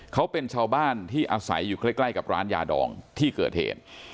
เขาเป็นชาวบ้านที่อาศัยอยู่ใกล้กับร้านยาดองที่เกิดเหตุ